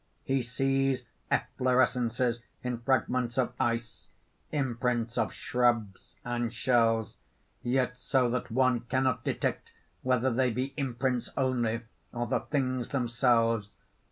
_ _He sees efflorescences in fragments of ice, imprints of shrubs and shells yet so that one cannot detect whether they be imprints only, or the things themselves.